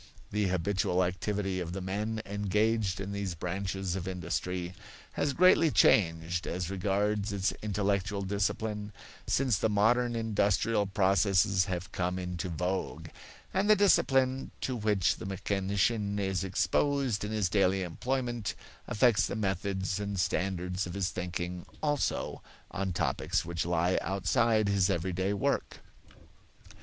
The habitual activity of the men engaged in these branches of industry has greatly changed, as regards its intellectual discipline, since the modern industrial processes have come into vogue; and the discipline to which the mechanician is exposed in his daily employment affects the methods and standards of his thinking also on topics which lie outside his everyday work.